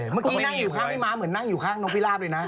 เมื่อกี้นั่งอยู่ข้างพี่ม้าเหมือนนั่งอยู่ข้างนกพิราบเลยนะ